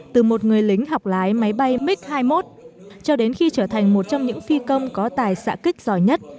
từ một người lính học lái máy bay mig hai mươi một cho đến khi trở thành một trong những phi công có tài xã kích giỏi nhất